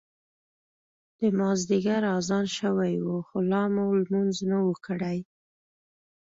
د مازیګر اذان شوی و خو لا مو لمونځ نه و کړی.